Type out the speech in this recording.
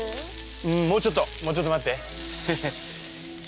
うんもうちょっともうちょっと待ってヘヘヘ。